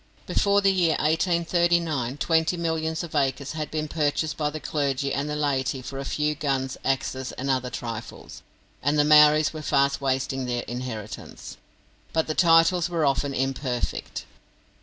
Before the year 1839, twenty millions of acres had been purchased by the clergy and laity for a few guns, axes, and other trifles, and the Maoris were fast wasting their inheritance. But the titles were often imperfect.